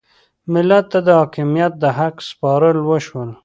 ملت ته د حاکمیت د حق سپارل وشو.